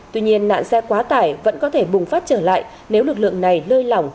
tuy nhiên nạn xe quá tải vẫn có thể bùng phát trở lại nếu lực lượng này lơi lỏng